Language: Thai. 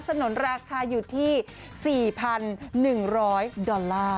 ถนนราคาอยู่ที่๔๑๐๐ดอลลาร์